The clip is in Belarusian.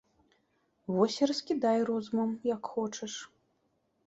Вось і раскідай розумам як хочаш.